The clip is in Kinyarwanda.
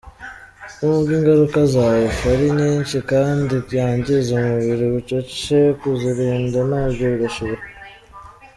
Nubwo ingaruka za Wi-Fi ari nyinshi kandi yangiza umubiri bucece, kuzirinda nabyo birashoboka.